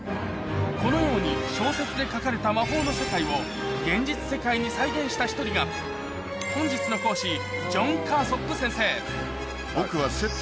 このように小説で書かれた魔法の世界を現実世界に再現した１人が本日の講師僕は。